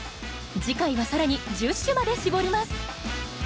次回は更に１０首まで絞ります。